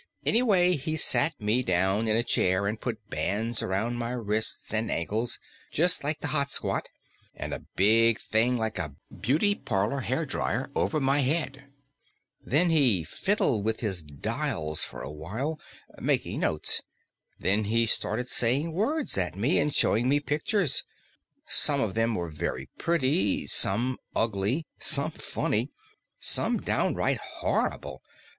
Anyway, he sat me down in a chair and put bands around my wrists and ankles just like the hot squat and a big thing like a beauty parlor hair drier over my head. Then he fiddled with his dials for awhile, making notes. Then he started saying words at me, and showing me pictures. Some of them were very pretty; some ugly; some funny; some downright horrible....